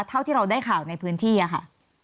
เท่าที่เราได้ข่าวในพื้นที่ค่ะ